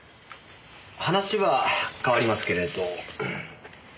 話は変わりますけれど。